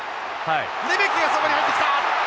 レメキがそこに入ってきた！